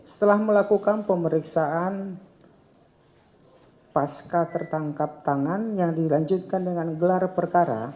setelah melakukan pemeriksaan pasca tertangkap tangan yang dilanjutkan dengan gelar perkara